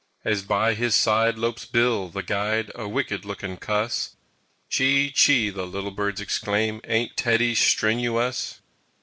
As by his side lopes Bill, the Guide, A wicked looking cuss "Chee chee!" the little birds exclaim, "Ain't Teddy stren oo uss!"